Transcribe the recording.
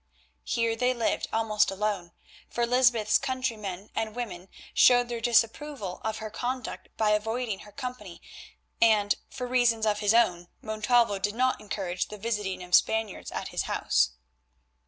Here they lived almost alone, for Lysbeth's countrymen and women showed their disapproval of her conduct by avoiding her company, and, for reasons of his own, Montalvo did not encourage the visiting of Spaniards at his house.